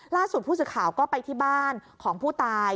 ล่าสุดผู้สื่อข่าวก็ไปที่บ้านของผู้ตาย